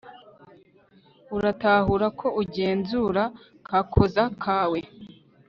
uratahura ko ugenzura kazoza kawe